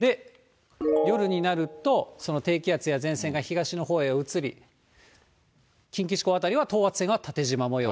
夜になると、その低気圧や前線が東のほうへ移り、近畿地方辺りは等圧線が縦じま模様。